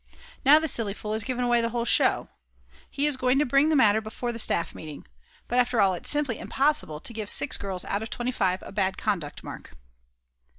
Now the silly fool has given away the whole show. He is going to bring the matter before the staff meeting. But after all, it's simply impossible to give 6 girls out of 25 a bad conduct mark.